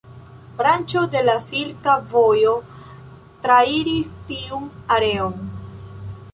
Branĉo de la Silka Vojo trairis tiun areon.